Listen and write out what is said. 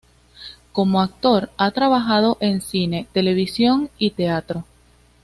Como actor ha trabajado en cine, televisión y teatro.